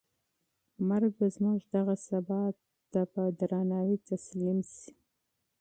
مرګ به زموږ دغه ثبات ته په درناوي تسلیم شي.